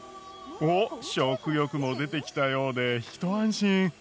おっ食欲も出てきたようで一安心。